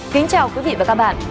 kính chào quý vị và các bạn